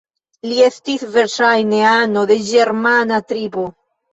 Li estis verŝajne ano de ĝermana tribo.